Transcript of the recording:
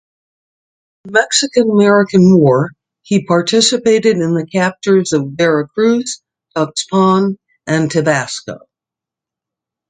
In the Mexican-American War he participated in the captures of Veracruz, Tuxpan and Tabasco.